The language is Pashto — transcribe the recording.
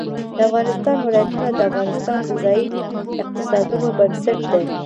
د افغانستان ولايتونه د افغانستان د ځایي اقتصادونو بنسټ دی.